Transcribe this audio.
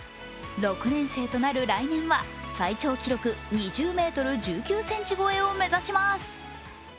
６年生となる来年は最長記録２０ｍ１９ｃｍ超えを目指します。